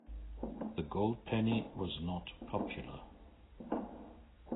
The gold penny was not popular.